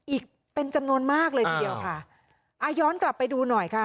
อีกเป็นจำนวนมากเลยทีเดียวค่ะอ่าย้อนกลับไปดูหน่อยค่ะ